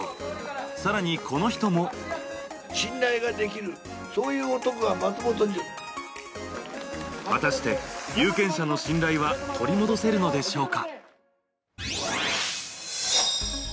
更にこの人も果たして有権者の信頼は取り戻せるのでしょうか。